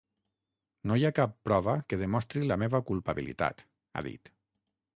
No hi ha cap prova que demostri la meva culpabilitat, ha dit.